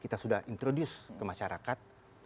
kita sudah introduce ke masyarakat